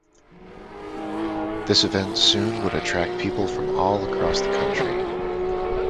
This event soon would attract people from all across the country.